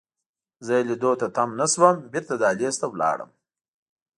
زه یې لیدو ته تم نه شوم، بیرته دهلېز ته ولاړم.